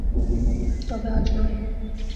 তবে আজ নয়।